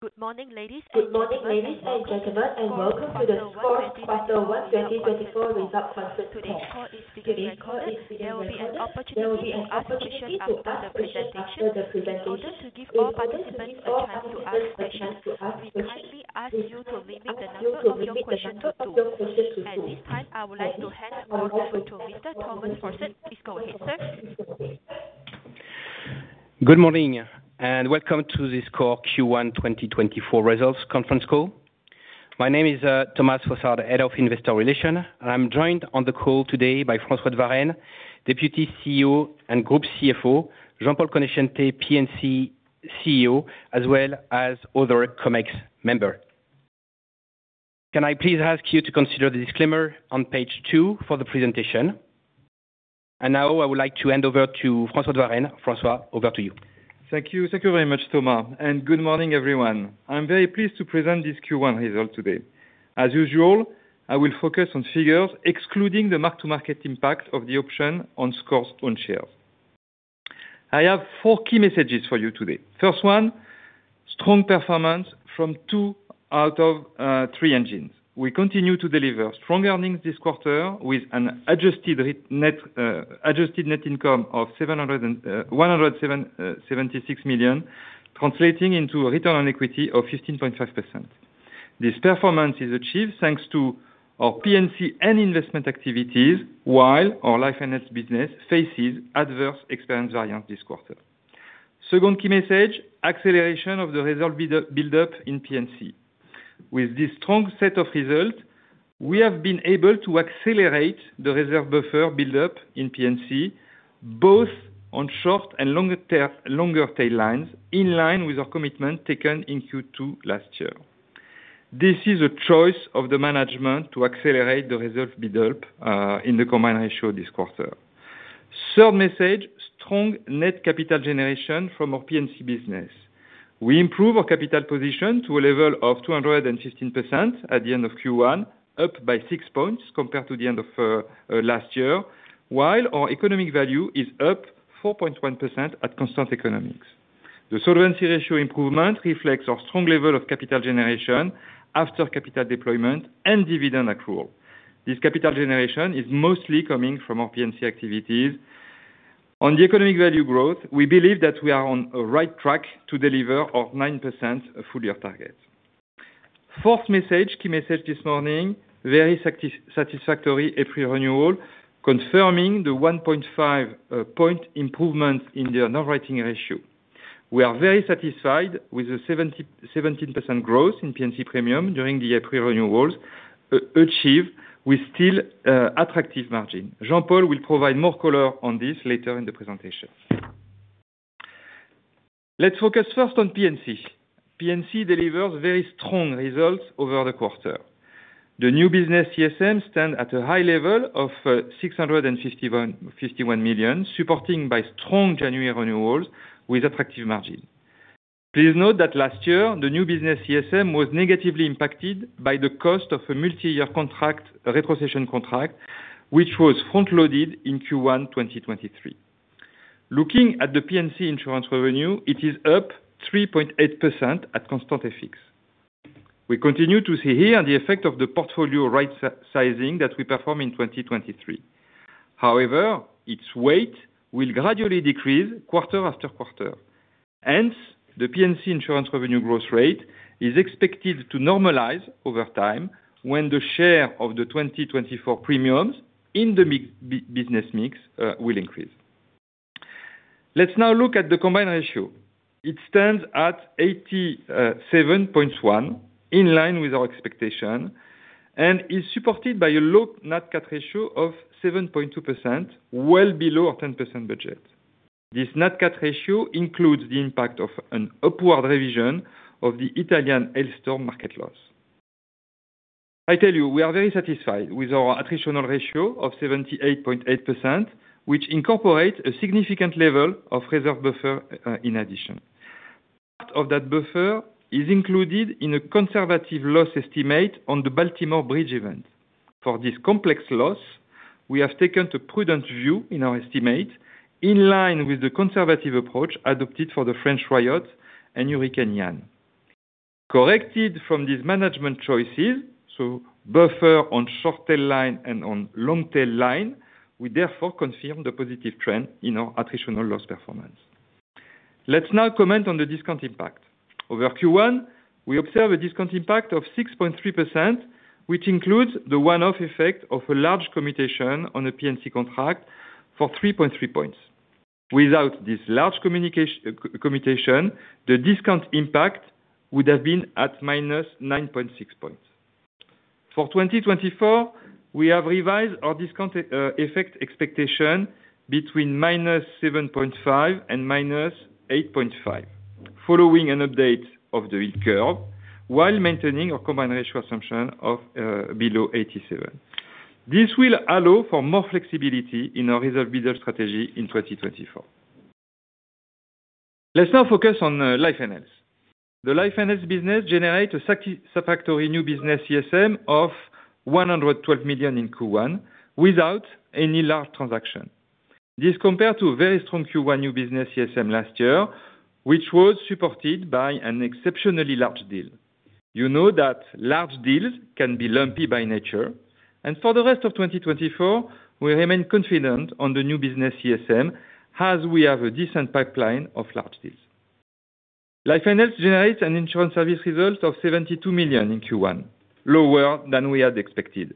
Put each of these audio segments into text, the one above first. Good morning, ladies and gentlemen, and welcome to the SCOR Quarter One 2024 Result Conference Call. Today's call is being recorded. There will be an opportunity to ask questions after the presentation. In order to give all participants a chance to ask questions, we kindly ask you to limit the number of your questions to two. At this time, I would like to hand over to Mr. Thomas Brossard. Please go ahead, sir. Good morning, and welcome to the SCOR Q1 2024 results conference call. My name is Thomas Fossard, Head of Investor Relations, and I'm joined on the call today by François de Varenne, Deputy CEO and Group CFO, Jean-Paul Conoscente, P&C CEO, as well as other Comex member. Can I please ask you to consider the disclaimer on page two for the presentation? And now I would like to hand over to François de Varenne. François, over to you. Thank you. Thank you very much, Thomas, and good morning, everyone. I'm very pleased to present this Q1 result today. As usual, I will focus on figures excluding the mark-to-market impact of the option on SCOR's own shares. I have four key messages for you today. First one, strong performance from two out of three engines. We continue to deliver strong earnings this quarter with an adjusted net income of 707.76 million, translating into a return on equity of 15.5%. This performance is achieved thanks to our P&C and investment activities, while our life and health business faces adverse experience variance this quarter. Second key message, acceleration of the reserve build-up in P&C. With this strong set of results, we have been able to accelerate the reserve buffer build-up in P&C, both on short and longer term- longer tail lines, in line with our commitment taken in Q2 last year. This is a choice of the management to accelerate the reserve build-up, in the combined ratio this quarter. Third message, strong net capital generation from our P&C business. We improve our capital position to a level of 215% at the end of Q1, up by six points compared to the end of, last year, while our economic value is up 4.1% at constant economics. The solvency ratio improvement reflects our strong level of capital generation after capital deployment and dividend accrual. This capital generation is mostly coming from our P&C activities. On the economic value growth, we believe that we are on a right track to deliver our 9% full year target. Fourth message, key message this morning, very satisfactory April renewal, confirming the 1.5 point improvement in the underwriting ratio. We are very satisfied with the 17% growth in P&C premium during the April renewals, achieved with still attractive margin. Jean-Paul will provide more color on this later in the presentation. Let's focus first on P&C. P&C delivers very strong results over the quarter. The new business CSM stand at a high level of 651 million, supporting by strong January renewals with attractive margin. Please note that last year, the new business CSM was negatively impacted by the cost of a multi-year contract, retrocession contract, which was front-loaded in Q1 2023. Looking at the P&C insurance revenue, it is up 3.8% at constant FX. We continue to see here the effect of the portfolio right-sizing that we perform in 2023. However, its weight will gradually decrease quarter after quarter. Hence, the P&C insurance revenue growth rate is expected to normalize over time when the share of the 2024 premiums in the business mix will increase. Let's now look at the combined ratio. It stands at 87.1, in line with our expectation, and is supported by a low nat cat ratio of 7.2%, well below our 10% budget. This nat cat ratio includes the impact of an upward revision of the Italian hailstorm market loss. I tell you, we are very satisfied with our attritional ratio of 78.8%, which incorporates a significant level of reserve buffer, in addition. Part of that buffer is included in a conservative loss estimate on the Baltimore bridge event. For this complex loss, we have taken a prudent view in our estimate, in line with the conservative approach adopted for the French riot and Hurricane Ian. Corrected for these management choices, so buffer on short tail line and on long tail line, we therefore confirm the positive trend in our attritional loss performance. Let's now comment on the discount impact. Over Q1, we observe a discount impact of 6.3%, which includes the one-off effect of a large commutation on a P&C contract for 3.3 points. Without this large commutation, the discount impact would have been at minus 9.6 points. For 2024, we have revised our discount effect expectation between -7.5 and -8.5, following an update of the yield curve, while maintaining our combined ratio assumption of below 87. This will allow for more flexibility in our reserve business strategy in 2024. Let's now focus on Life & Health. The Life & Health business generate a satisfactory new business CSM of 112 million in Q1 without any large transaction. This compared to a very strong Q1 new business CSM last year, which was supported by an exceptionally large deal. You know that large deals can be lumpy by nature, and for the rest of 2024, we remain confident on the new business CSM, as we have a decent pipeline of large deals. Life and health generates an insurance service result of 72 million in Q1, lower than we had expected.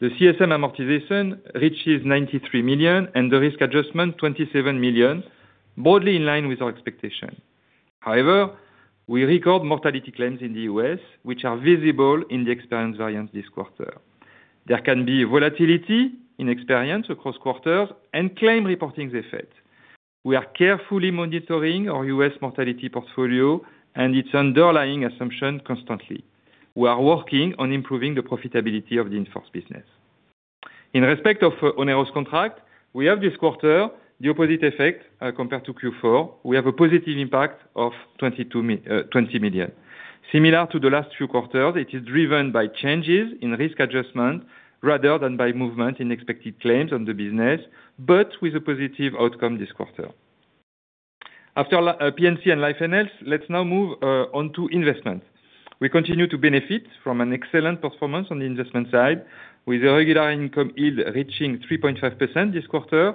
The CSM amortization reaches 93 million, and the risk adjustment, 27 million, broadly in line with our expectation. However, we record mortality claims in the U.S., which are visible in the experience variance this quarter. There can be volatility in experience across quarters and claim reporting effect. We are carefully monitoring our U.S. mortality portfolio and its underlying assumption constantly. We are working on improving the profitability of the in-force business. In respect of onerous contracts, we have this quarter the opposite effect, compared to Q4. We have a positive impact of 22 million. Similar to the last few quarters, it is driven by changes in risk adjustment rather than by movement in expected claims on the business, but with a positive outcome this quarter. After P&C and Life and Health, let's now move on to investment. We continue to benefit from an excellent performance on the investment side, with a regular income yield reaching 3.5% this quarter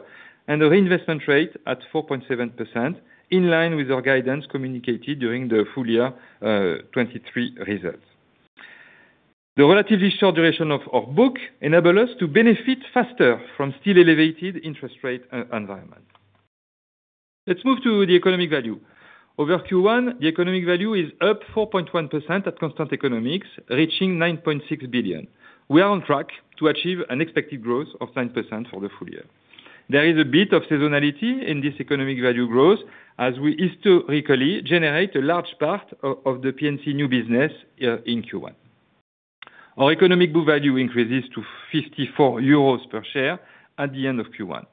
and a reinvestment rate at 4.7%, in line with our guidance communicated during the full year 2023 results. The relatively short duration of our book enable us to benefit faster from still elevated interest rate environment. Let's move to the economic value. Over Q1, the economic value is up 4.1% at constant economics, reaching 9.6 billion. We are on track to achieve an expected growth of 10% for the full year. There is a bit of seasonality in this economic value growth, as we historically generate a large part of the P&C new business in Q1. Our economic book value increases to 54 euros per share at the end of Q1.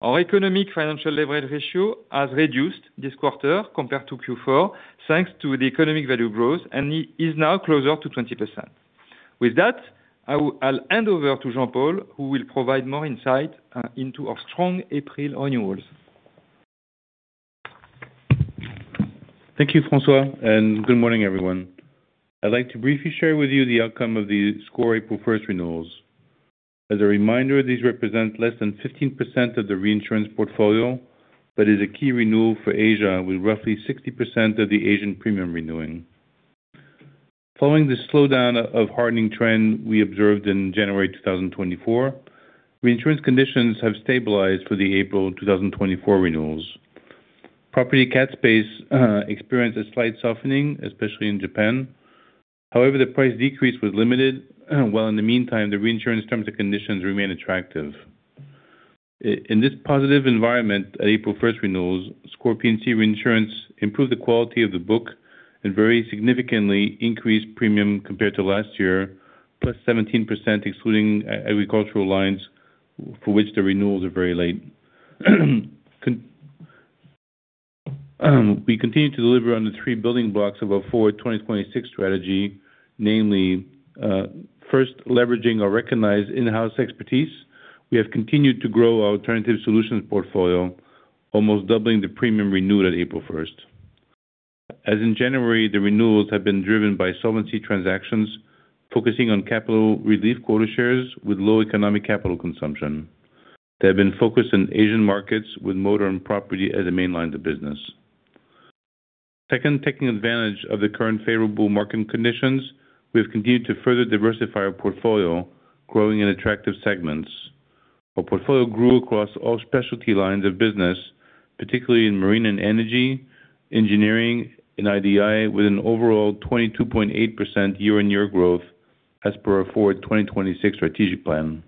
Our economic financial leverage ratio has reduced this quarter compared to Q4, thanks to the economic value growth, and is now closer to 20%. With that, I'll hand over to Jean-Paul, who will provide more insight into our strong April renewals. Thank you, François, and good morning, everyone. I'd like to briefly share with you the outcome of the SCOR April 1 renewals. As a reminder, these represent less than 15% of the reinsurance portfolio, but is a key renewal for Asia, with roughly 60% of the Asian premium renewing. Following the slowdown of hardening trend we observed in January 2024, reinsurance conditions have stabilized for the April 2024 renewals. Property cat space experienced a slight softening, especially in Japan. However, the price decrease was limited, in the meantime, the reinsurance terms and conditions remained attractive. In this positive environment at April 1 renewals, SCOR P&C Reinsurance improved the quality of the book and very significantly increased premium compared to last year, +17%, excluding agricultural lines, for which the renewals are very late. We continue to deliver on the three building blocks of our Forward 2026 strategy, namely, first, leveraging our recognized in-house expertise. We have continued to grow our alternative solutions portfolio, almost doubling the premium renewed at April 1. As in January, the renewals have been driven by solvency transactions, focusing on capital relief quota shares with low economic capital consumption. They have been focused in Asian markets with motor and property as the main lines of business. Second, taking advantage of the current favorable market conditions, we have continued to further diversify our portfolio, growing in attractive segments. Our portfolio grew across all specialty lines of business, particularly in marine and energy, engineering, and IDI, with an overall 22.8% year-on-year growth as per our Forward 2026 strategic plan.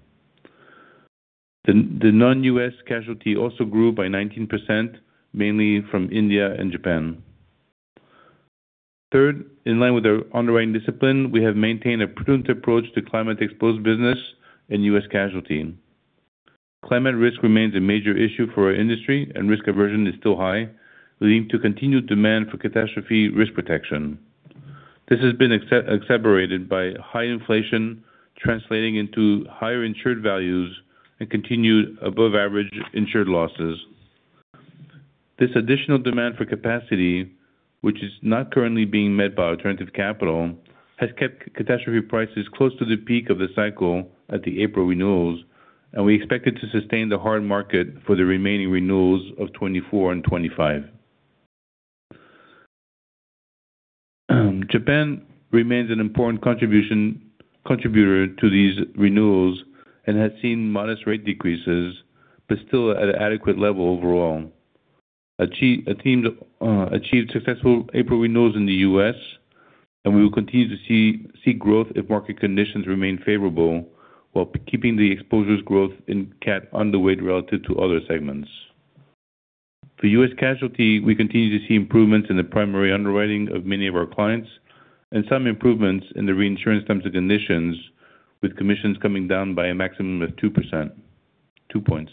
The non-US casualty also grew by 19%, mainly from India and Japan. Third, in line with our underwriting discipline, we have maintained a prudent approach to climate-exposed business and US casualty. Climate risk remains a major issue for our industry, and risk aversion is still high, leading to continued demand for catastrophe risk protection. This has been exacerbated by high inflation translating into higher insured values and continued above average insured losses. This additional demand for capacity, which is not currently being met by alternative capital, has kept catastrophe prices close to the peak of the cycle at the April renewals, and we expect it to sustain the hard market for the remaining renewals of 2024 and 2025. Japan remains an important contributor to these renewals and has seen modest rate decreases, but still at an adequate level overall. The team achieved successful April renewals in the U.S., and we will continue to see growth if market conditions remain favorable, while keeping the exposures growth in cat underweight relative to other segments. For U.S. casualty, we continue to see improvements in the primary underwriting of many of our clients and some improvements in the reinsurance terms and conditions, with commissions coming down by a maximum of 2%, two points.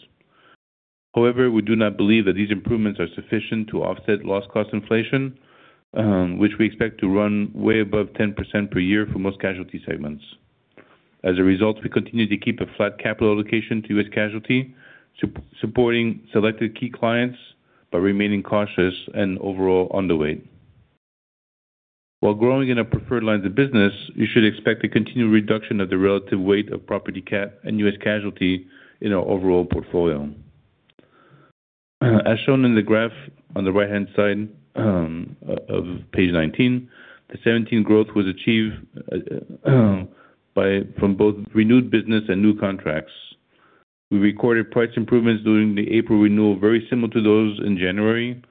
However, we do not believe that these improvements are sufficient to offset loss cost inflation, which we expect to run way above 10% per year for most casualty segments. As a result, we continue to keep a flat capital allocation to U.S. casualty, supporting selected key clients, but remaining cautious and overall underweight. While growing in a preferred line of business, you should expect a continued reduction of the relative weight of property cat and U.S. casualty in our overall portfolio. As shown in the graph on the right-hand side of page 19, the 17% growth was achieved from both renewed business and new contracts. We recorded price improvements during the April renewal, very similar to those in January,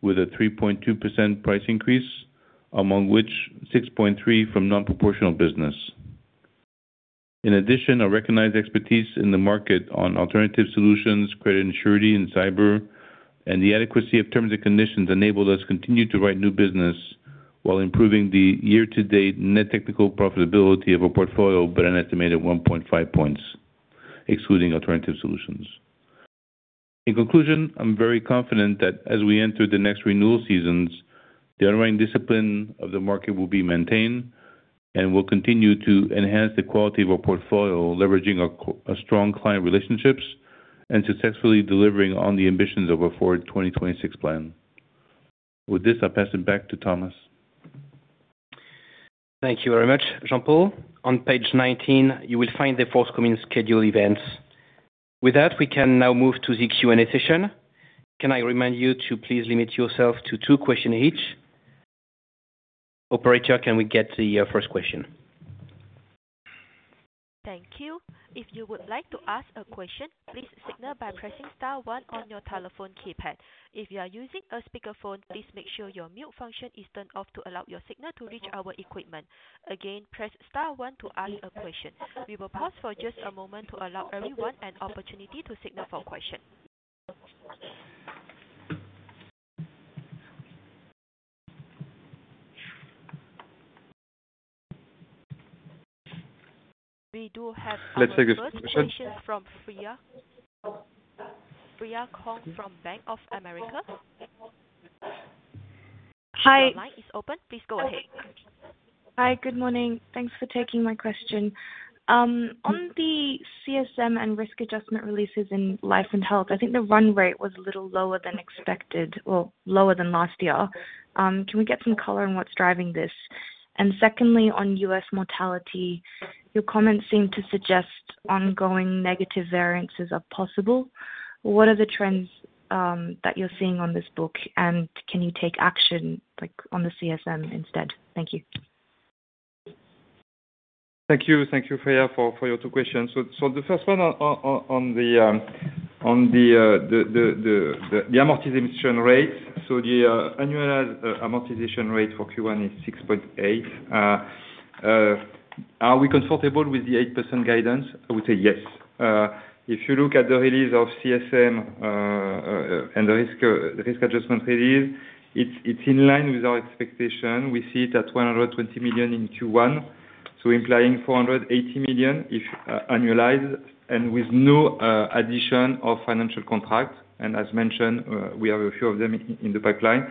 with a 3.2% price increase, among which 6.3% from non-proportional business. In addition, a recognized expertise in the market on alternative solutions, credit and surety and cyber, and the adequacy of terms and conditions enabled us to continue to write new business while improving the year-to-date net technical profitability of our portfolio by an estimated 1.5 points, excluding alternative solutions. In conclusion, I'm very confident that as we enter the next renewal seasons, the underwriting discipline of the market will be maintained, and we'll continue to enhance the quality of our portfolio, leveraging our strong client relationships and successfully delivering on the ambitions of our Forward 2026 plan. With this, I'll pass it back to Thomas. Thank you very much, Jean-Paul. On page 19, you will find the forthcoming schedule events. With that, we can now move to the Q&A session. Can I remind you to please limit yourself to two questions each? Operator, can we get the first question? Thank you. If you would like to ask a question, please signal by pressing star one on your telephone keypad. If you are using a speakerphone, please make sure your mute function is turned off to allow your signal to reach our equipment. Again, press star one to ask a question. We will pause for just a moment to allow everyone an opportunity to signal for question. We do have- Let's take a question. from Freya. Freya Kong from Bank of America. Hi. Your line is open. Please go ahead. Hi, good morning. Thanks for taking my question. On the CSM and risk adjustment releases in life and health, I think the run rate was a little lower than expected or lower than last year. Can we get some color on what's driving this? And secondly, on US mortality, your comments seem to suggest ongoing negative variances are possible. What are the trends, that you're seeing on this book, and can you take action, like, on the CSM instead? Thank you. Thank you. Thank you, Freya, for your two questions. So the first one on the amortization rate. So the annualized amortization rate for Q1 is 6.8. Are we comfortable with the 8% guidance? I would say yes. If you look at the release of CSM and the risk adjustment release, it's in line with our expectation. We see it at 120 million in Q1, so implying 480 million if annualized and with no addition of financial contracts, and as mentioned, we have a few of them in the pipeline.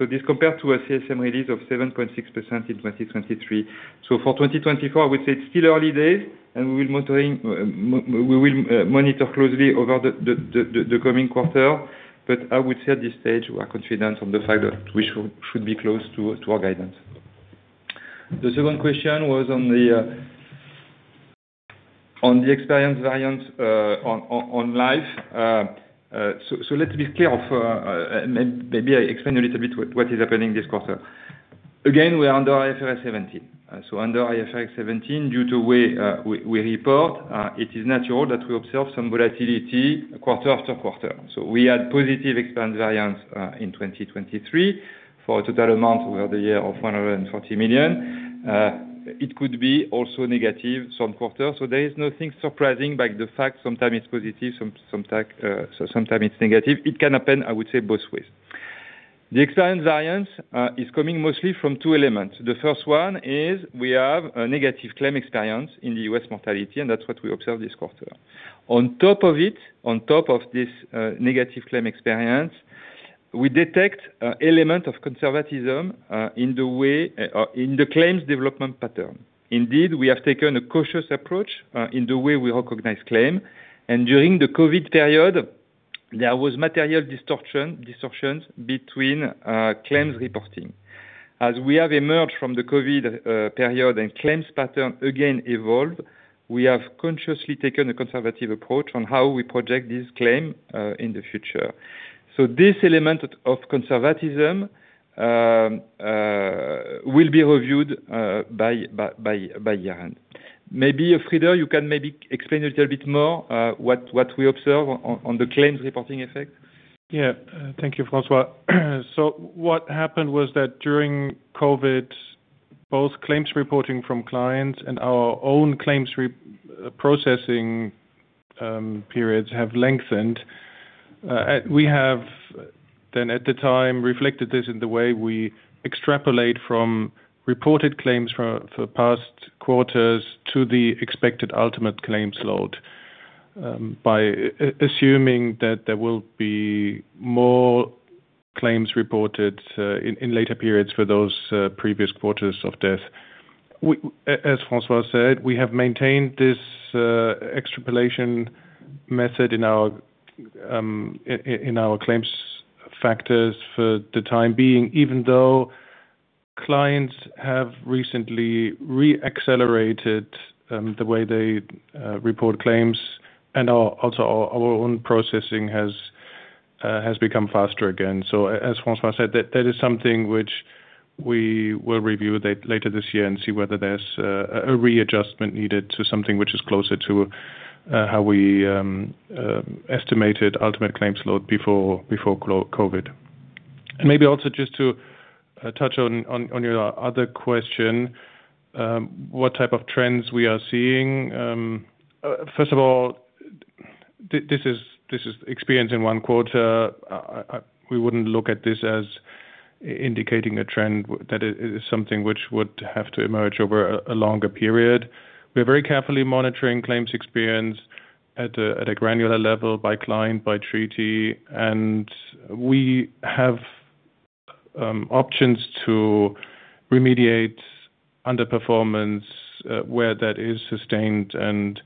So this compared to a CSM release of 7.6% in 2023. So for 2024, I would say it's still early days, and we will monitor closely over the coming quarter. But I would say at this stage, we are confident on the fact that we should be close to our guidance. The second question was on the experience variance on life. So let's be clear, maybe I explain a little bit what is happening this quarter. Again, we are under IFRS 17. So under IFRS 17, due to the way we report, it is natural that we observe some volatility quarter after quarter. So we had positive experience variance in 2023 for a total amount over the year of 140 million. It could be also negative some quarters. So there is nothing surprising by the fact sometimes it's positive, sometimes it's negative. It can happen, I would say, both ways. The experience variance is coming mostly from two elements. The first one is we have a negative claim experience in the U.S. mortality, and that's what we observe this quarter. On top of it, on top of this negative claim experience, we detect an element of conservatism in the claims development pattern. Indeed, we have taken a cautious approach in the way we recognize claims, and during the COVID period, there was material distortions between claims reporting. As we have emerged from the Covid period and claims pattern again evolved, we have consciously taken a conservative approach on how we project this claim in the future. So this element of conservatism will be reviewed by Frieder Knüpling. Maybe Frieder Knüpling, you can maybe explain a little bit more what we observe on the claims reporting effect. Yeah. Thank you, François. So what happened was that during COVID, both claims reporting from clients and our own claims reprocessing periods have lengthened. And we have then, at the time, reflected this in the way we extrapolate from reported claims for past quarters to the expected ultimate claims load, by assuming that there will be more claims reported in later periods for those previous quarters of death. As François said, we have maintained this extrapolation method in our claims factors for the time being, even though clients have recently reaccelerated the way they report claims, and our own processing has become faster again. As François said, that is something which we will review later this year and see whether there's a readjustment needed to something which is closer to how we estimated ultimate claims load before global COVID. And maybe also just to touch on your other question, what type of trends we are seeing. First of all, this is experience in one quarter. We wouldn't look at this as indicating a trend, that it is something which would have to emerge over a longer period. We're very carefully monitoring claims experience at a granular level by client, by treaty, and we have options to remediate underperformance where that is sustained and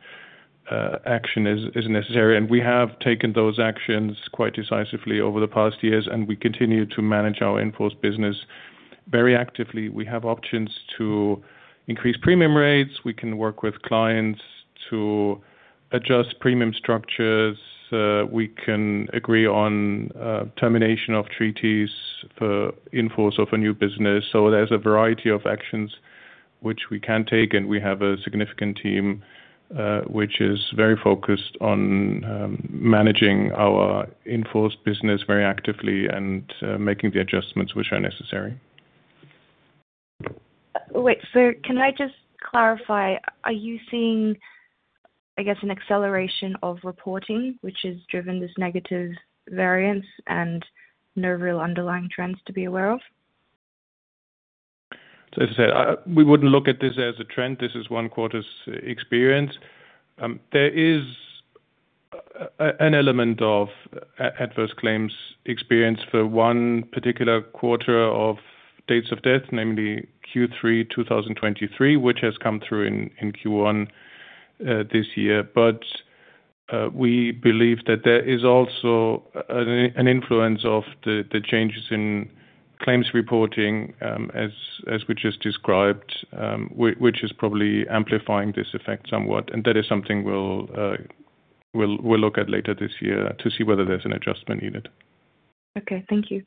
action is necessary. We have taken those actions quite decisively over the past years, and we continue to manage our in-force business very actively. We have options to increase premium rates. We can work with clients to adjust premium structures. We can agree on termination of treaties for in-force of a new business. So there's a variety of actions which we can take, and we have a significant team which is very focused on managing our in-force business very actively and making the adjustments which are necessary. Wait, so can I just clarify, are you seeing, I guess, an acceleration of reporting which has driven this negative variance and no real underlying trends to be aware of? So as I said, we wouldn't look at this as a trend. This is one quarter's experience. There is an element of adverse claims experience for one particular quarter of dates of death, namely Q3 2023, which has come through in Q1 this year. But we believe that there is also an influence of the changes in claims reporting, as we just described, which is probably amplifying this effect somewhat. And that is something we'll look at later this year to see whether there's an adjustment needed. Okay. Thank you.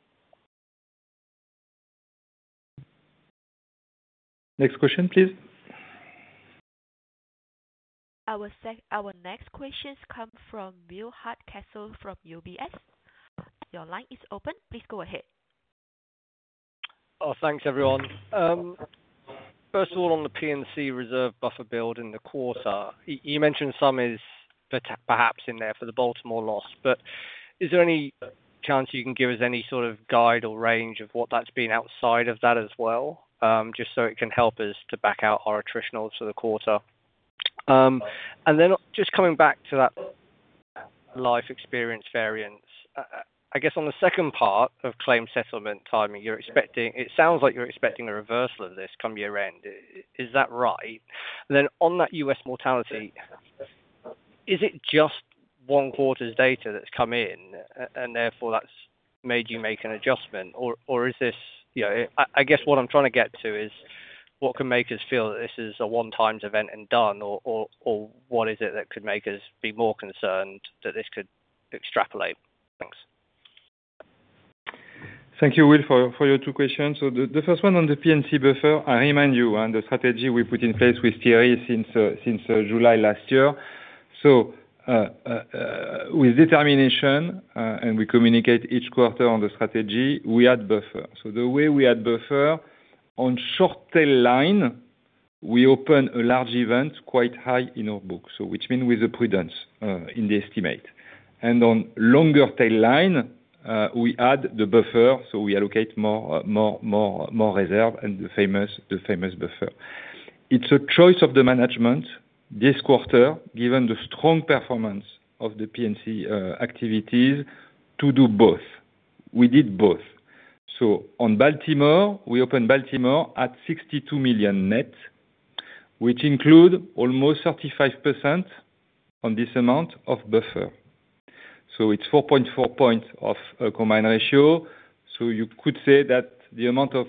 Next question, please. Our next question comes from Will Hardcastle from UBS. Your line is open. Please go ahead. Oh, thanks, everyone. First of all, on the P&C reserve buffer build in the quarter, you mentioned some is perhaps in there for the Baltimore loss, but is there any chance you can give us any sort of guide or range of what that's been outside of that as well? Just so it can help us to back out our attritionals for the quarter. And then just coming back to that life experience variance, I guess on the second part of claim settlement timing, you're expecting... It sounds like you're expecting a reversal of this come year-end. Is that right? And then on that U.S. mortality, is it just one quarter's data that's come in, and therefore that's made you make an adjustment, or, or is this, you know... I guess what I'm trying to get to is, what can make us feel that this is a one times event and done, or what is it that could make us be more concerned that this could extrapolate? Thanks. Thank you, Will, for your two questions. So the first one on the P&C buffer, I remind you on the strategy we put in place with Thierry since with determination, and we communicate each quarter on the strategy, we add buffer. So the way we add buffer, on short tail line, we open a large event quite high in our book, so which mean with the prudence in the estimate. And on longer tail line, we add the buffer, so we allocate more reserve and the famous buffer. It's a choice of the management this quarter, given the strong performance of the P&C activities, to do both. We did both. So on Baltimore, we opened Baltimore at 62 million net, which include almost 35% on this amount of buffer. So it's 4.4 points of a combined ratio. So you could say that the amount of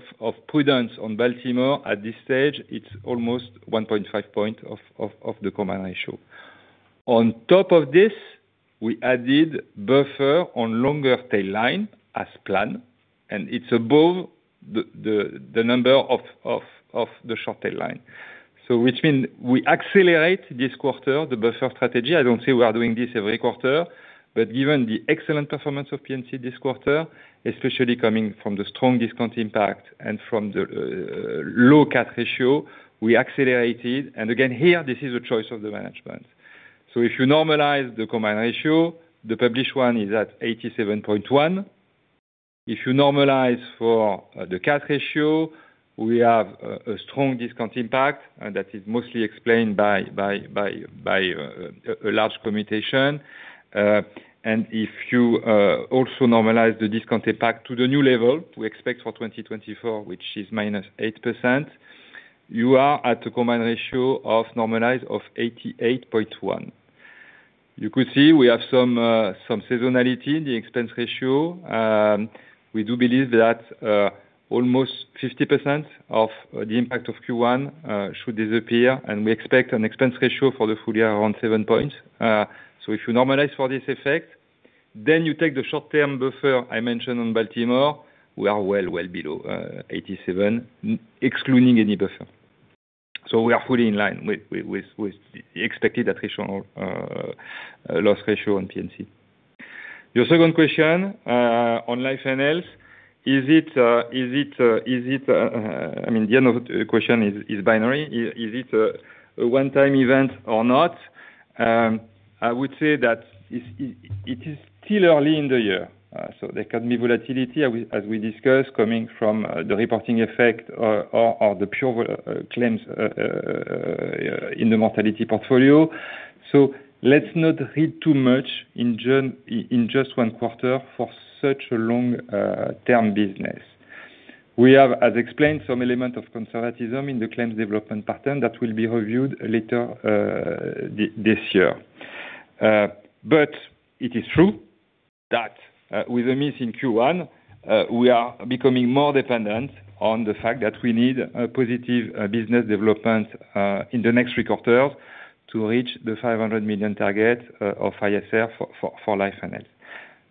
prudence on Baltimore at this stage, it's almost 1.5 points of the combined ratio. On top of this, we added buffer on longer tail line as planned, and it's above the number of the short tail line. So which mean we accelerate this quarter, the buffer strategy. I don't say we are doing this every quarter, but given the excellent performance of P&C this quarter, especially coming from the strong discount impact and from the low CAT ratio, we accelerated, and again, here, this is a choice of the management. So if you normalize the combined ratio, the published one is at 87.1%. If you normalize for the CAT ratio, we have a strong discount impact, and that is mostly explained by a large commutation. And if you also normalize the discount impact to the new level, we expect for 2024, which is -8%, you are at a combined ratio of normalized of 88.1%. You could see we have some seasonality in the expense ratio. We do believe that almost 50% of the impact of Q1 should disappear, and we expect an expense ratio for the full year around 7%. So if you normalize for this effect, then you take the short-term buffer I mentioned on Baltimore, we are well, well below 87, excluding any buffer. So we are fully in line with the expected attritional loss ratio on P&C. Your second question, on life and health, is it binary? I mean, the end of the question is binary. Is it a one-time event or not? I would say that it is still early in the year, so there can be volatility, as we discussed, coming from the reporting effect or the pure claims in the mortality portfolio. So let's not read too much in June, in just one quarter for such a long-term business. We have, as explained, some element of conservatism in the claims development pattern that will be reviewed later, this year. But it is true that, with a miss in Q1, we are becoming more dependent on the fact that we need a positive, business development, in the next three quarters to reach the 500 million target, of ISR for life and health.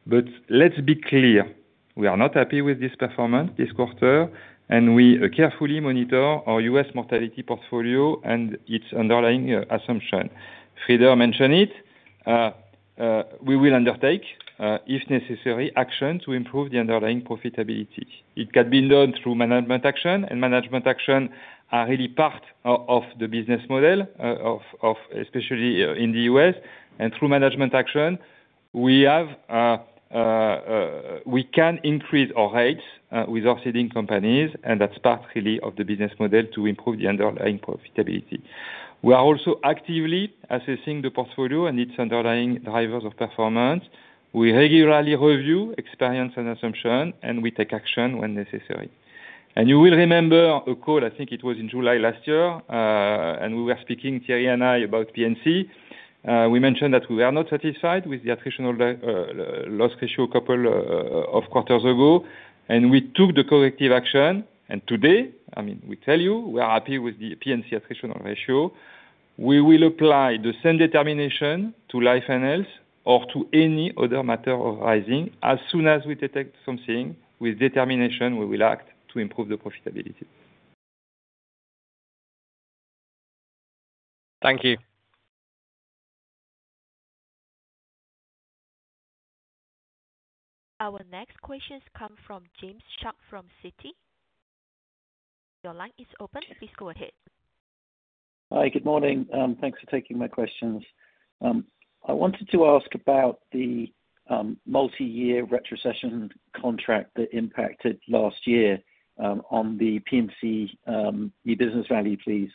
But let's be clear, we are not happy with this performance this quarter, and we carefully monitor our U.S. mortality portfolio and its underlying assumption. Frieder mentioned it, we will undertake, if necessary, action to improve the underlying profitability. It can be done through management action, and management action are really part of the business model of especially in the U.S., and through management action, we can increase our rates with our ceding companies, and that's part really of the business model to improve the underlying profitability. We are also actively assessing the portfolio and its underlying drivers of performance. We regularly review experience and assumption, and we take action when necessary. You will remember a call, I think it was in July last year, and we were speaking, Thierry and I, about P&C. We mentioned that we were not satisfied with the attritional loss ratio a couple of quarters ago, and we took the corrective action. Today, I mean, we tell you, we are happy with the P&C attritional ratio. We will apply the same determination to life and health or to any other matter arising. As soon as we detect something, with determination, we will act to improve the profitability. Thank you. Our next questions come from James Shuck from Citi. Your line is open. Please go ahead. Hi, good morning. Thanks for taking my questions. I wanted to ask about the multi-year retrocession contract that impacted last year on the P&C economic value, please.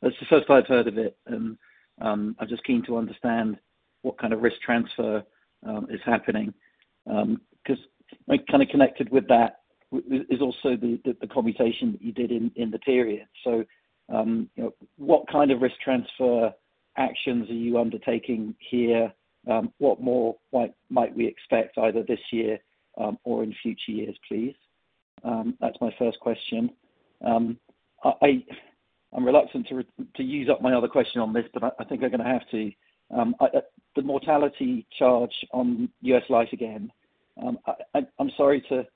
That's the first I've heard of it. I'm just keen to understand what kind of risk transfer is happening, 'cause like, kind of connected with that is also the commutation that you did in the period. So, you know, what kind of risk transfer actions are you undertaking here? What more might we expect either this year or in future years, please? That's my first question. I'm reluctant to use up my other question on this, but I think I'm gonna have to. The mortality charge on US Life again, I'm sorry to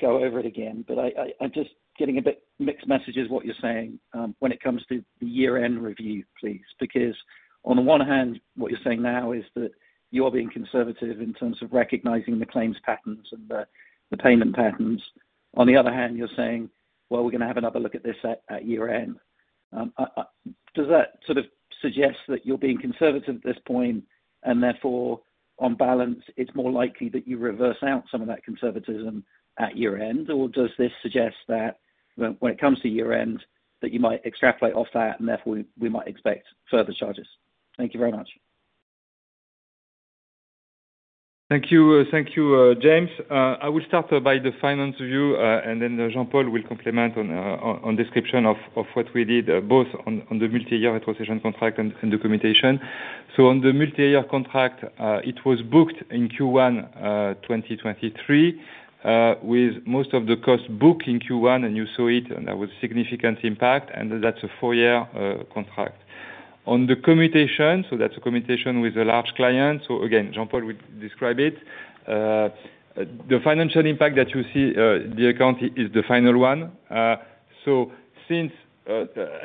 go over it again, but I'm just getting a bit mixed messages what you're saying, when it comes to the year-end review, please. Because on the one hand, what you're saying now is that you're being conservative in terms of recognizing the claims patterns and the payment patterns. On the other hand, you're saying, "Well, we're gonna have another look at this at year-end." Does that sort of suggest that you're being conservative at this point, and therefore, on balance, it's more likely that you reverse out some of that conservatism at year-end? Or does this suggest that when it comes to year-end, that you might extrapolate off that, and therefore we might expect further charges? Thank you very much. Thank you. Thank you, James. I will start by the finance view, and then Jean-Paul will comment on the description of what we did, both on the multi-year retrocession contract and the commutation. So on the multi-year contract, it was booked in Q1 2023, with most of the cost booked in Q1, and you saw it, and that was significant impact, and that's a four-year contract. On the commutation, so that's a commutation with a large client, so again, Jean-Paul will describe it. The financial impact that you see, the amount is the final one. So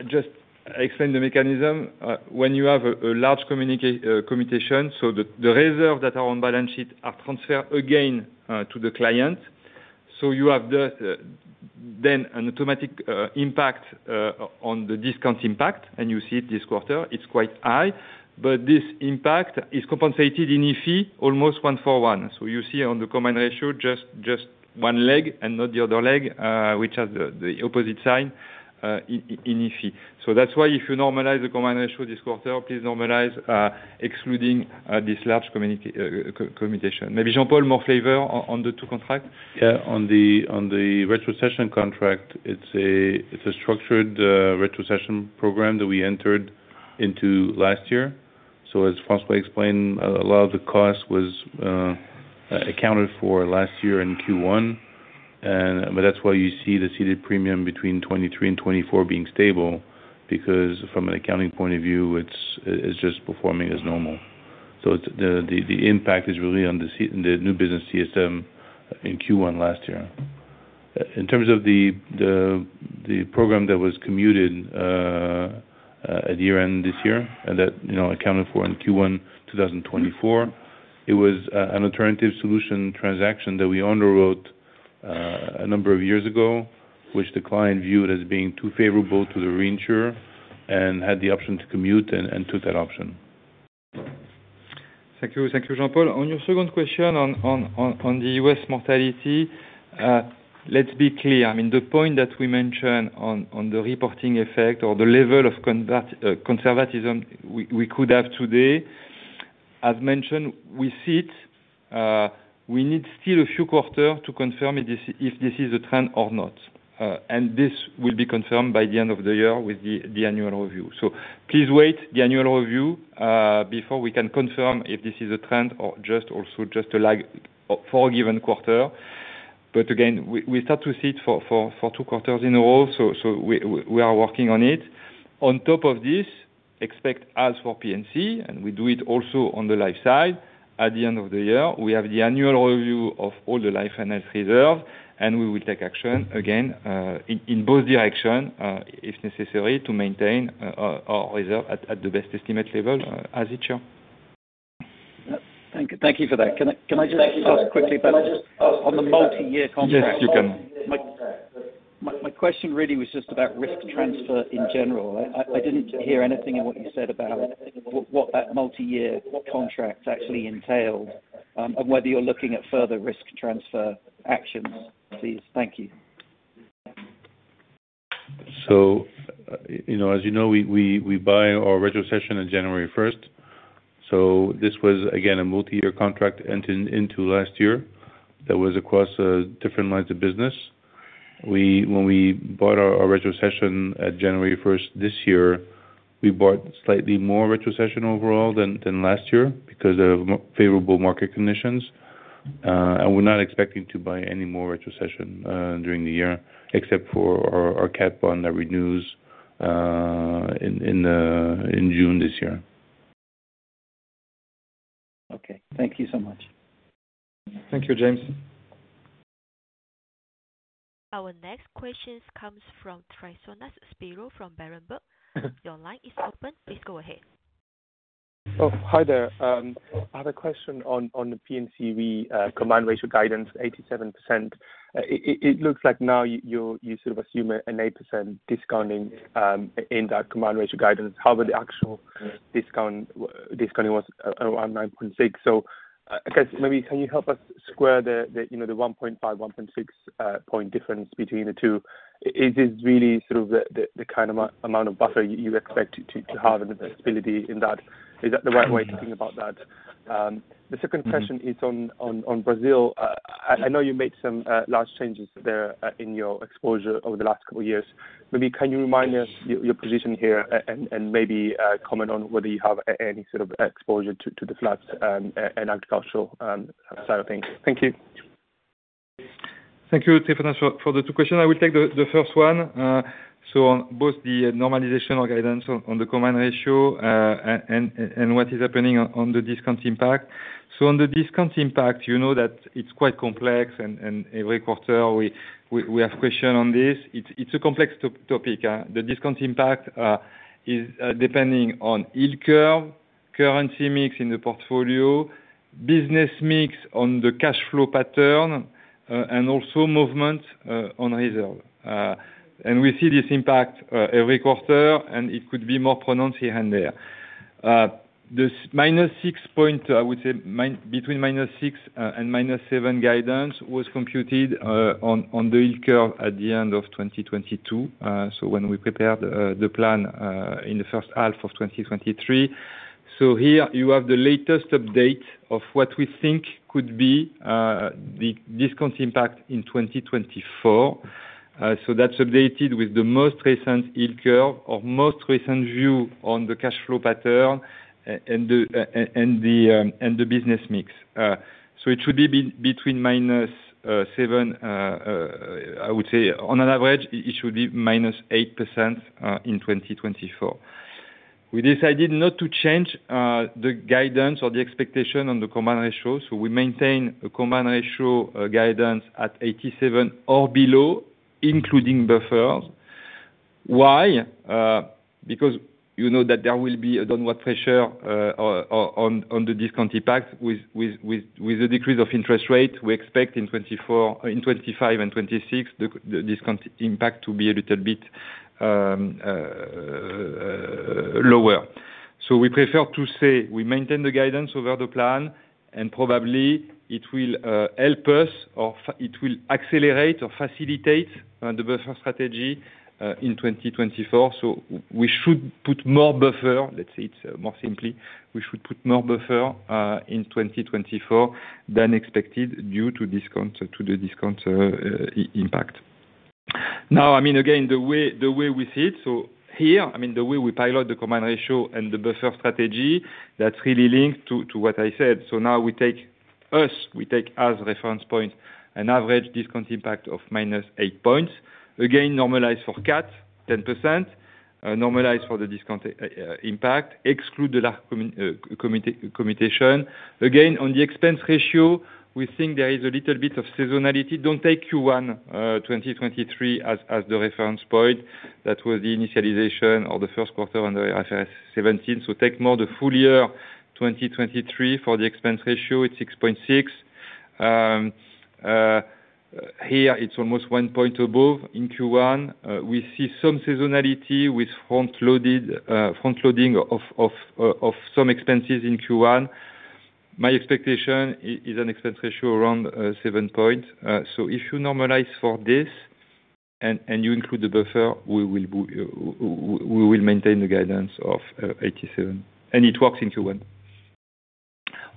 just explain the mechanism, when you have a large commutation, so the reserves that are on balance sheet are transferred again to the client. So you have the then an automatic impact on the discount impact, and you see it this quarter; it's quite high. But this impact is compensated in fee, almost one for one. So you see on the Combined Ratio, just one leg and not the other leg, which has the opposite sign in in IFRS. So that's why if you normalize the Combined Ratio this quarter, please normalize excluding this large Commutation. Maybe Jean-Paul, more flavor on the two contracts? Yeah, on the retrocession contract, it's a structured retrocession program that we entered into last year. So as François explained, a lot of the cost was accounted for last year in Q1. But that's why you see the ceded premium between 2023 and 2024 being stable, because from an accounting point of view, it's just performing as normal. So the impact is really on the new business CSM in Q1 last year. In terms of the program that was commuted at year-end this year, and that, you know, accounted for in Q1 2024, it was an alternative solution transaction that we underwrote a number of years ago, which the client viewed as being too favorable to the reinsurer, and had the option to commute and took that option. Thank you. Thank you, Jean-Paul. On your second question on the U.S. mortality, let's be clear. I mean, the point that we mentioned on the reporting effect or the level of conservatism we could have today, as mentioned, we see it. We need still a few quarter to confirm if this is a trend or not. And this will be confirmed by the end of the year with the annual review. So please wait, the annual review, before we can confirm if this is a trend or just a lag for a given quarter. But again, we start to see it for two quarters in a row, so we are working on it. On top of this, expect as for PNC, and we do it also on the life side. At the end of the year, we have the annual review of all the life and health reserve, and we will take action again, in both direction, if necessary, to maintain our reserve at the best estimate level, as each year. Thank you for that. Can I just ask quickly about on the multi-year contract? Yes, you can. My question really was just about risk transfer in general. I didn't hear anything in what you said about what that multi-year contract actually entails, and whether you're looking at further risk transfer actions, please. Thank you. So, you know, as you know, we buy our retrocession on January 1st. So this was, again, a multi-year contract entered into last year, that was across different lines of business. When we bought our retrocession at January 1st this year, we bought slightly more retrocession overall than last year, because of more favorable market conditions. And we're not expecting to buy any more retrocession during the year, except for our cat bond that renews in June this year. Okay. Thank you so much. Thank you, James. Our next question comes from Tryfonas Spyrou, from Berenberg. Your line is open. Please go ahead. Oh, hi there. I have a question on the P&C combined ratio guidance, 87%. It looks like now you sort of assume an 8% discounting in that combined ratio guidance. However, the actual discounting was around 9.6. So I guess, maybe can you help us square the, you know, the 1.5, 1.6 point difference between the two? Is this really sort of the kind of amount of buffer you expect to have in the stability in that? Is that the right way to think about that? The second question is on Brazil. I know you made some large changes there in your exposure over the last couple years. Maybe can you remind us your position here and maybe comment on whether you have any sort of exposure to the floods and agricultural side of things? Thank you. Thank you, Tryfonas, for the two questions. I will take the first one. So on both the normalization or guidance on the combined ratio, and what is happening on the discount impact. So on the discount impact, you know that it's quite complex and every quarter we have question on this. It's a complex topic. The discount impact is depending on yield curve, currency mix in the portfolio, business mix on the cash flow pattern, and also movement on reserve. And we see this impact every quarter, and it could be more pronounced here and there. This -6 point, I would say between -6 and -7 guidance was computed on the yield curve at the end of 2022. So when we prepared the plan in the first half of 2023. So here you have the latest update of what we think could be the discount impact in 2024. So that's updated with the most recent yield curve or most recent view on the cash flow pattern and the business mix. So it should be between -7, I would say on an average, it should be -8% in 2024. We decided not to change the guidance or the expectation on the combined ratio, so we maintain a combined ratio guidance at 87 or below, including buffers. Why? Because you know that there will be a downward pressure on the discount impact with the decrease of interest rate we expect in 2024, in 2025 and 2026, the discount impact to be a little bit lower. So we prefer to say we maintain the guidance over the plan, and probably it will help us or it will accelerate or facilitate the buffer strategy in 2024. So we should put more buffer, let's say it more simply, we should put more buffer in 2024 than expected, due to discount, to the discount impact. Now, I mean, again, the way we see it, so here, I mean, the way we pilot the combined ratio and the buffer strategy, that's really linked to what I said. So now we take as reference point, an average discount impact of minus 8 points. Again, normalized for CAT 10%, normalized for the discount impact, exclude the large commutation. Again, on the expense ratio, we think there is a little bit of seasonality. Don't take Q1 2023 as the reference point. That was the initialization of the first quarter on the IFRS 17, so take more the full year 2023 for the expense ratio, it's 6.6. Here, it's almost one point above in Q1. We see some seasonality with front loading of some expenses in Q1. My expectation is an expense ratio around 7 point. So if you normalize for this, and you include the buffer, we will maintain the guidance of 87, and it works in Q1.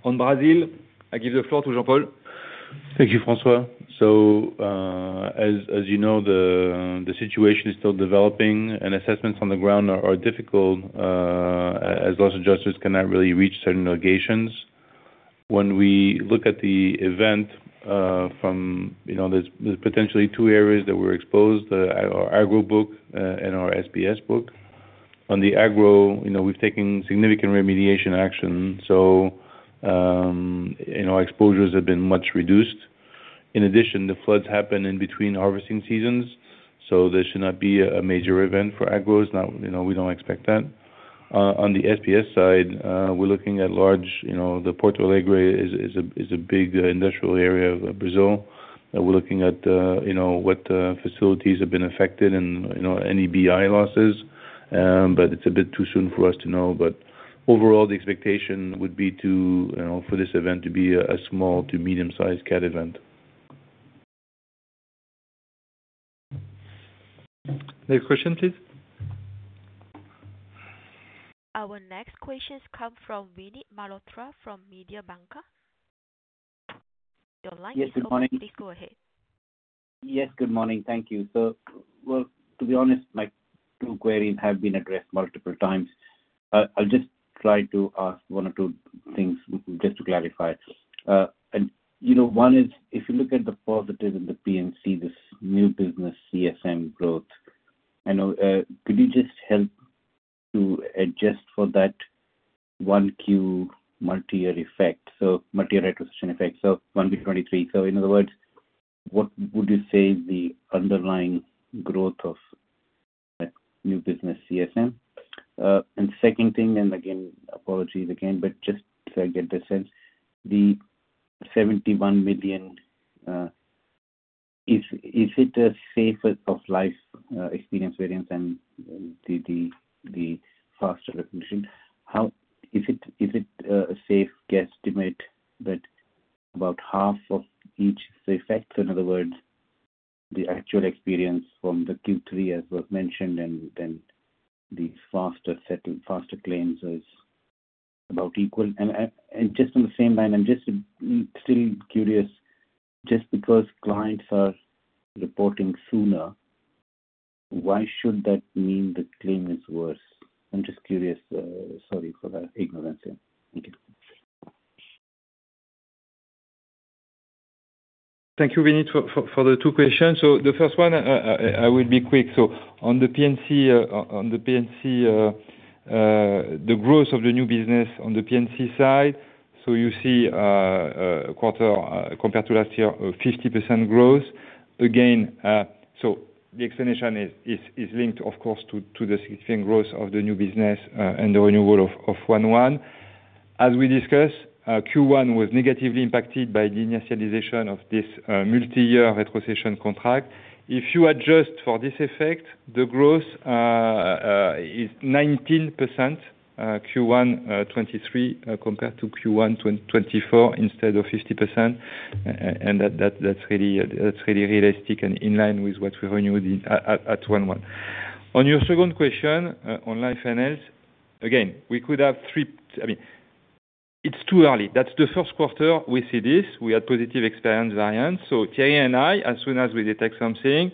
On Brazil, I give the floor to Jean-Paul. Thank you, François. So, as you know, the situation is still developing, and assessments on the ground are difficult, as those adjusters cannot really reach certain locations. When we look at the event, you know, there's potentially two areas that were exposed, our agro book, and our SBS book. On the agro, you know, we've taken significant remediation action, so, you know, our exposures have been much reduced. In addition, the floods happened in between harvesting seasons, so there should not be a major event for agros, you know, we don't expect that. On the SBS side, we're looking at large, you know, the Porto Alegre is a big industrial area of Brazil. And we're looking at, you know, what facilities have been affected and, you know, any BI losses. It's a bit too soon for us to know. But overall, the expectation would be to, you know, for this event to be a small to medium-sized CAT event. Any question, please? Our next questions come from Vinit Malhotra from Mediobanca. Your line is open. Yes, good morning. Please go ahead. Yes, good morning. Thank you. So, well, to be honest, my two queries have been addressed multiple times. I'll just try to ask one or two things just to clarify. And, you know, one is, if you look at the positive in the P&C, this new business CSM growth, I know, could you just help to adjust for that one Q multi-year effect, so multi-year effect, so Q1 2023. So in other words, what would you say is the underlying growth of new business CSM? And second thing, and again, apologies again, but just so I get the sense, the 71 million, is, is it an L&H life experience variance than the faster recognition? How is it a safe guesstimate that about half of each effect, so in other words, the actual experience from the Q3 as was mentioned, and then the faster settlement faster claims is about equal? And just on the same line, I'm just still curious, just because clients are reporting sooner, why should that mean the claim is worse? I'm just curious, sorry for that ignorance here. Thank you. Thank you, Vinit, for the two questions. So the first one, I will be quick. So on the P&C, the growth of the new business on the P&C side, so you see, a quarter compared to last year, a 50% growth. Again, so the explanation is linked, of course, to the significant growth of the new business, and the renewal of 1/1. As we discussed, Q1 was negatively impacted by the initialization of this multi-year retrocession contract. If you adjust for this effect, the growth is 19%, Q1 2023 compared to Q1 2024, instead of 50%. And that, that's really realistic and in line with what we renewed in at 1/1. On your second question, on Life and Health, again, we could have three... I mean, it's too early. That's the first quarter we see this. We had positive experience variance. So Thierry and I, as soon as we detect something,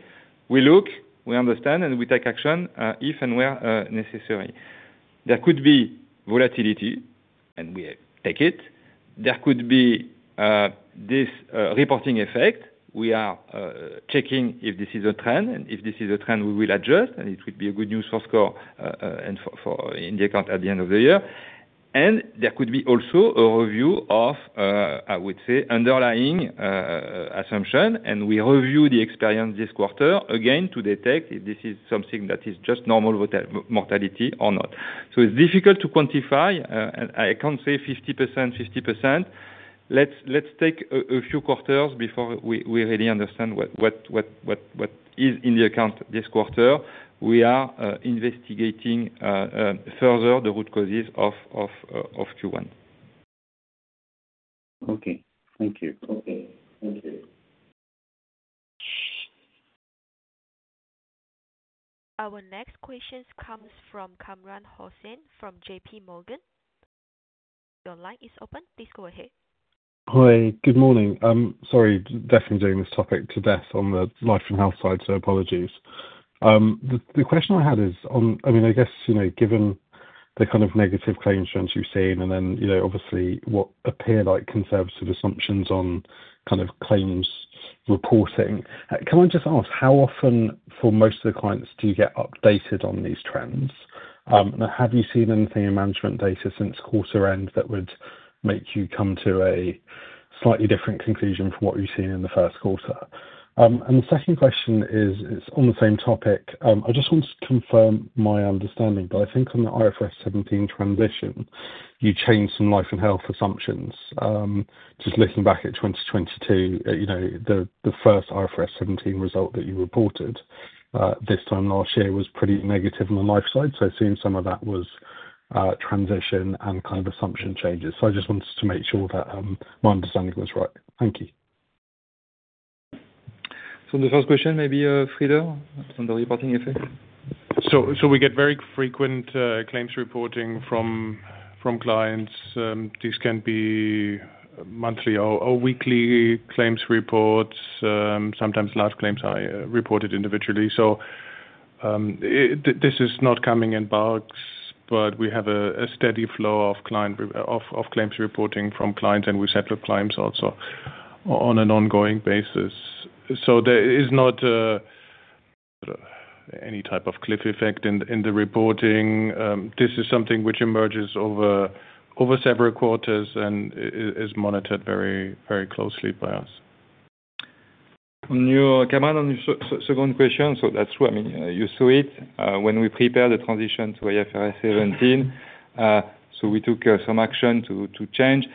we look, we understand, and we take action, if and where necessary. There could be volatility, and we take it. There could be this reporting effect. We are checking if this is a trend, and if this is a trend, we will adjust, and it would be good news for SCOR, and for India account at the end of the year. And there could be also a review of, I would say, underlying assumption, and we review the experience this quarter, again, to detect if this is something that is just normal mortality or not. So it's difficult to quantify, and I can't say 50%, 50%. Let's take a few quarters before we really understand what is in the account this quarter. We are investigating further the root causes of Q1. Okay, thank you. Okay, thank you. Our next question comes from Kamran Hossain from J.P. Morgan. Your line is open. Please go ahead. Hi, good morning. Sorry, definitely doing this topic to death on the life and health side, so apologies. The question I had is on, I mean, I guess, you know, given the kind of negative claims trends you've seen, and then, you know, obviously, what appear like conservative assumptions on kind of claims reporting, can I just ask: How often, for most of the clients, do you get updated on these trends? And have you seen anything in management data since quarter end that would make you come to a slightly different conclusion from what you've seen in the first quarter? And the second question is, it's on the same topic. I just want to confirm my understanding, but I think on the IFRS 17 transition, you changed some life and health assumptions. Just looking back at 2022, you know, the first IFRS 17 result that you reported this time last year was pretty negative on the life side. So seeing some of that was transition and kind of assumption changes. So I just wanted to make sure that my understanding was right. Thank you. So the first question, maybe, Frieder, on the reporting effect? So we get very frequent claims reporting from clients. These can be monthly or weekly claims reports. Sometimes large claims are reported individually. So this is not coming in bulks, but we have a steady flow of client reporting of claims reporting from clients, and we settle claims also on an ongoing basis. So there is not any type of cliff effect in the reporting. This is something which emerges over several quarters and is monitored very, very closely by us. On your command on your second question, so that's true. I mean, you saw it, when we prepare the transition to IFRS 17, so we took some action to change.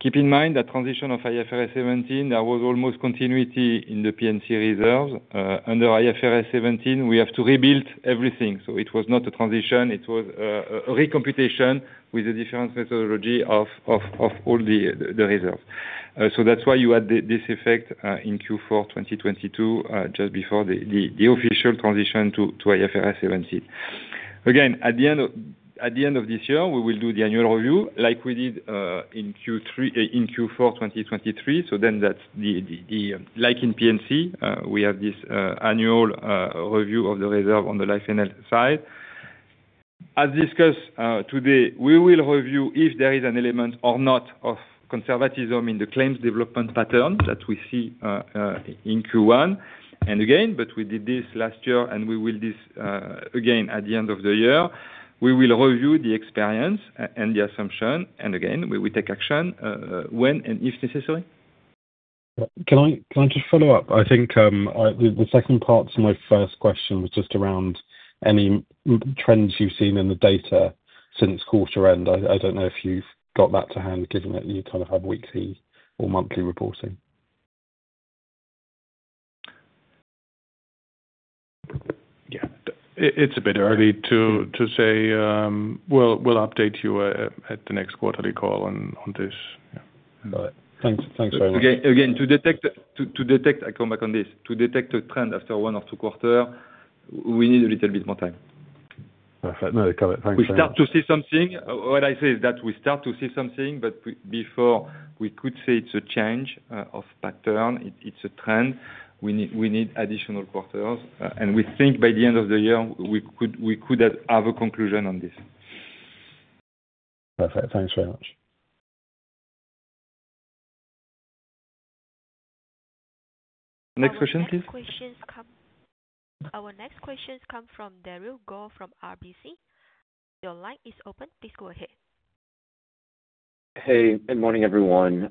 Keep in mind, that transition of IFRS 17, there was almost continuity in the P&C reserves. Under IFRS 17, we have to rebuild everything. So it was not a transition, it was a recomputation with a different methodology of all the reserves. So that's why you had this effect in Q4 2022, just before the official transition to IFRS 17. Again, at the end of this year, we will do the annual review like we did in Q3 in Q4 2023. So then that's the, like, in P&C, we have this annual review of the reserve on the life and health side. As discussed today, we will review if there is an element or not of conservatism in the claims development pattern that we see in Q1. And again, but we did this last year, and we will this again at the end of the year. We will review the experience and the assumption, and again, we will take action when and if necessary. Can I, can I just follow up? I think, the second part to my first question was just around any trends you've seen in the data since quarter end. I don't know if you've got that to hand, given that you kind of have weekly or monthly reporting. Yeah. It's a bit early to say. We'll update you at the next quarterly call on this. Yeah. Got it. Thanks, thanks very much. I come back on this. To detect a trend after one or two quarters, we need a little bit more time. Perfect. No, got it. Thanks very much. We start to see something. What I say is that we start to see something, but before we could say it's a change of pattern, it's a trend, we need, we need additional quarters. And we think by the end of the year, we could, we could have have a conclusion on this. Perfect. Thanks very much. Next question, please? Our next questions come from Darragh Quinn from RBC. Your line is open. Please go ahead. Hey, good morning, everyone.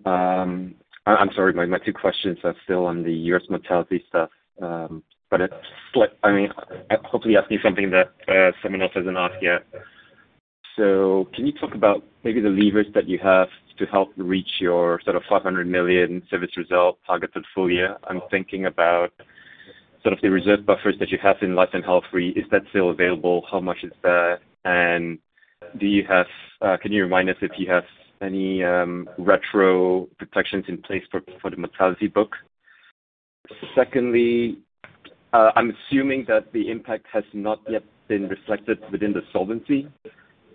I'm sorry, my two questions are still on the U.S. mortality stuff. But it's slight. I mean, hopefully asking you something that someone else hasn't asked yet. So can you talk about maybe the levers that you have to help reach your sort of 500 million service result target for full year? I'm thinking about sort of the reserve buffers that you have in life and health free. Is that still available? How much is that? And can you remind us if you have any retro protections in place for the mortality book? Secondly, I'm assuming that the impact has not yet been reflected within the solvency,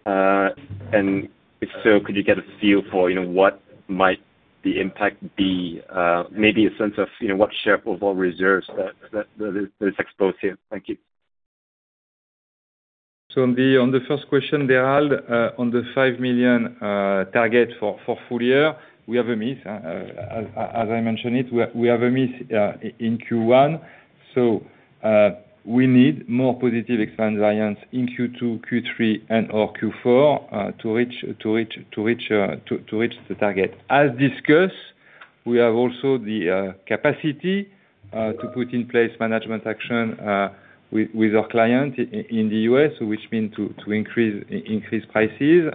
and if so, could you get a feel for, you know, what might the impact be? Maybe a sense of, you know, what share of all reserves that is exposed here? Thank you. On the first question, Darragh, on the 5 million target for full year, we have a miss. As I mentioned it, we have a miss in Q1, so we need more positive experience variance in Q2, Q3, and/or Q4 to reach the target. As discussed, we have also the capacity to put in place management action with our client in the US, which mean to increase prices.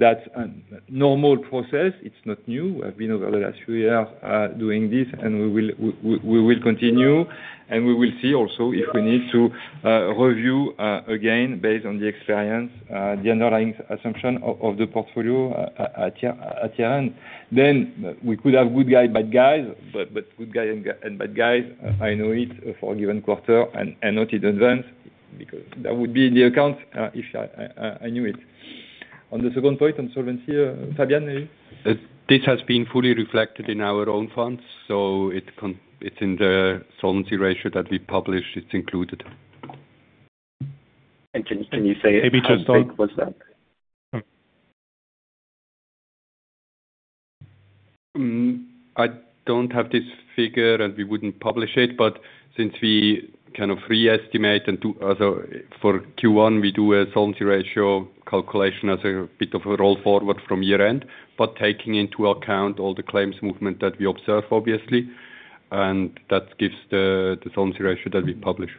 That's a normal process, it's not new. We have been over the last few years doing this, and we will continue, and we will see also if we need to review again, based on the experience, the underlying assumption of the portfolio at year-end. Then we could have good guy, bad guys, but good guy and bad guys, I know it for a given quarter and not in advance, because that would be in the account, if I knew it. On the second point, on solvency, Fabian, maybe? This has been fully reflected in our own funds, so it's in the Solvency Ratio that we publish, it's included. Can you say- Maybe just on- How big was that? Hmm, I don't have this figure, and we wouldn't publish it, but since we kind of re-estimate and do. For Q1, we do a solvency ratio calculation as a bit of a roll forward from year-end, but taking into account all the claims movement that we observe, obviously, and that gives the, the solvency ratio that we publish.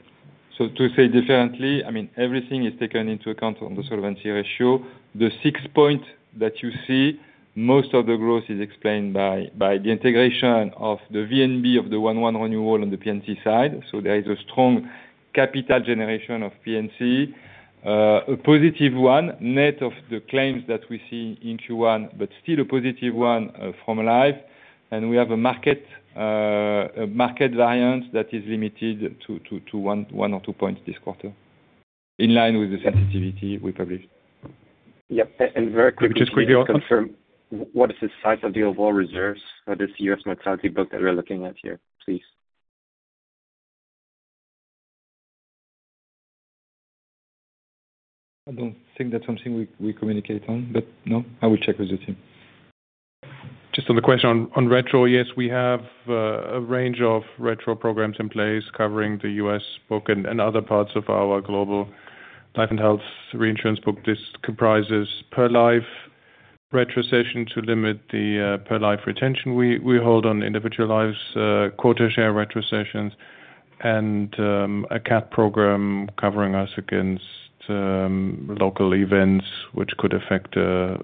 To say differently, I mean, everything is taken into account on the solvency ratio. The 6-point that you see, most of the growth is explained by the integration of the VNB of the 1/1 renewal on the P&C side, so there is a strong capital generation of P&C. A positive one, net of the claims that we see in Q1, but still a positive one, from life. And we have a market variance that is limited to 1 or 2 points this quarter, in line with the sensitivity we published. Yep, and very quickly- Just quickly- To confirm, what is the size of the overall reserves for this U.S. mortality book that we're looking at here, please? I don't think that's something we, we communicate on, but no, I will check with the team. Just on the question on retro, yes, we have a range of retro programs in place covering the U.S. book and other parts of our global life and health reinsurance book. This comprises per life retrocession to limit the per life retention we hold on individual lives, quota share retrocessions, and a cat program covering us against local events which could affect a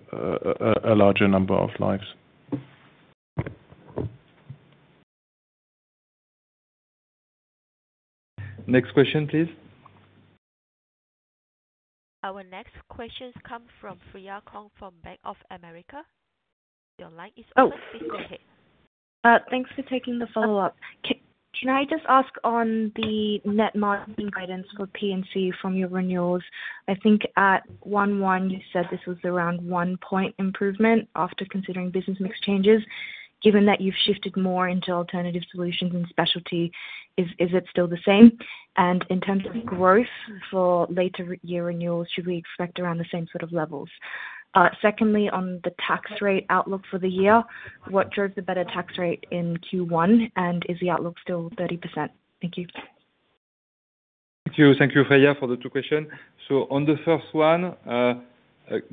larger number of lives. Next question, please? Our next question comes from Freya Kong, from Bank of America. Your line is open. Oh! Please go ahead. Thanks for taking the follow-up. Can I just ask on the net margin guidance for P&C from your renewals? I think at 1/1, you said this was around one-point improvement after considering business mix changes. Given that you've shifted more into alternative solutions and specialty, is it still the same? And in terms of growth for later year renewals, should we expect around the same sort of levels? Secondly, on the tax rate outlook for the year, what drove the better tax rate in Q1, and is the outlook still 30%? Thank you. Thank you, thank you, Freya, for the two questions. So on the first one,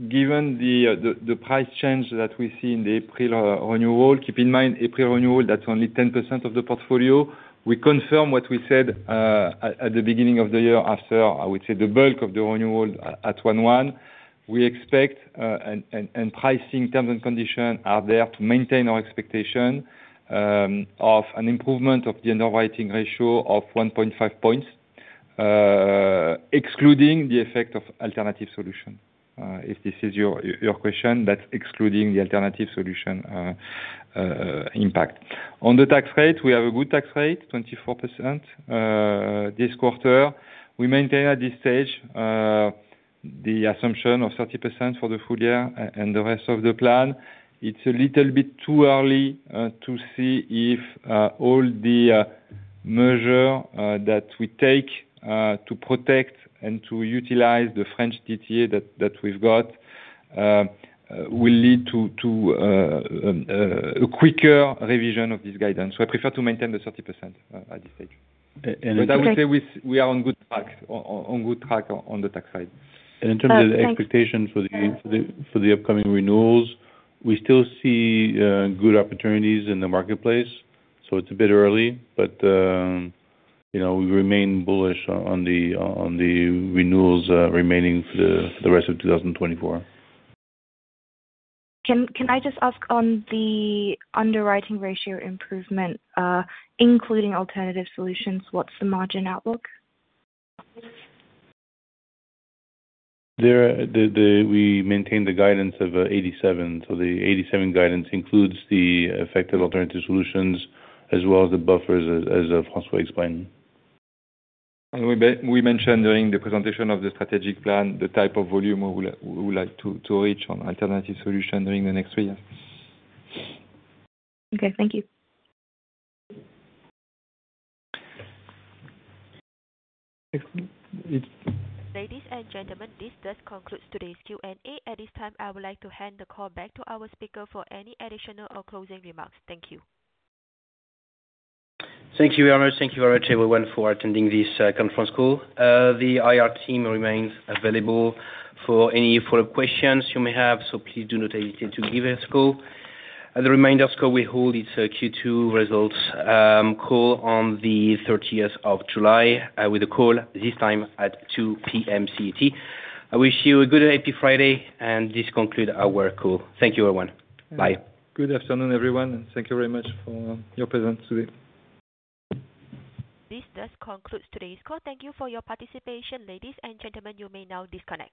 given the price change that we see in the April renewal, keep in mind, April renewal, that's only 10% of the portfolio. We confirm what we said at the beginning of the year, after, I would say, the bulk of the renewal at 1/1. We expect, and pricing terms and conditions are there to maintain our expectation of an improvement of the underwriting ratio of 1.5 points, excluding the effect of alternative solution. If this is your question, that's excluding the alternative solution impact. On the tax rate, we have a good tax rate, 24%, this quarter. We maintain at this stage the assumption of 30% for the full year and the rest of the plan. It's a little bit too early to see if all the measures that we take to protect and to utilize the French DTA that we've got will lead to a quicker revision of this guidance. So I prefer to maintain the 30% at this stage. Okay. But I would say we are on good track on the tax side. Uh, thanks. And in terms of the expectation for the upcoming renewals, we still see good opportunities in the marketplace. So it's a bit early, but, you know, we remain bullish on the renewals remaining for the rest of 2024. Can, can I just ask on the underwriting ratio improvement, including alternative solutions, what's the margin outlook? We maintain the guidance of 87. So the 87 guidance includes the effect of alternative solutions, as well as the buffers, as François explained. We mentioned during the presentation of the strategic plan, the type of volume we would like to reach on alternative solution during the next three years. Okay, thank you. Next, please. Ladies and gentlemen, this does conclude today's Q&A. At this time, I would like to hand the call back to our speaker for any additional or closing remarks. Thank you. Thank you very much. Thank you very much, everyone, for attending this conference call. The IR team remains available for any follow-up questions you may have, so please do not hesitate to give us a call. As a reminder, also, we hold its Q2 results call on the thirtieth of July with the call this time at 2:00 P.M. CET. I wish you a good and happy Friday, and this conclude our call. Thank you, everyone. Bye. Good afternoon, everyone, and thank you very much for your presence today. This does conclude today's call. Thank you for your participation. Ladies and gentlemen, you may now disconnect.